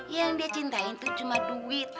yang dia cintain tuh cuma duit